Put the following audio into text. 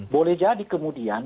boleh jadi kemudian